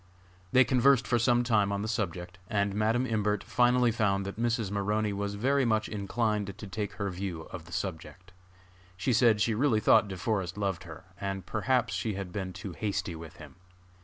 They conversed for some time on the subject, and Madam Imbert finally found that Mrs. Maroney was very much inclined to take her view of the subject. She said she really thought De Forest loved her, and perhaps she had been too hasty with him.